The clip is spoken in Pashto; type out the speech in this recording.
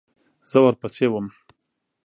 زه ورپسې وم .